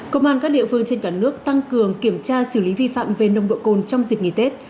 công an các địa phương trên cả nước tăng cường kiểm tra xử lý vi phạm về nồng độ cồn trong dịp nghỉ tết